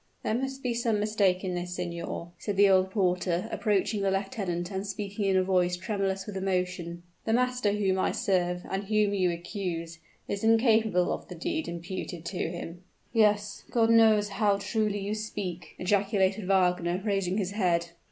"There must be some mistake in this, signor," said the old porter, approaching the lieutenant and speaking in a voice tremulous with emotion. "The master whom I serve, and whom you accuse, is incapable of the deed imputed to him." "Yes. God knows how truly you speak!" ejaculated Wagner, raising his head.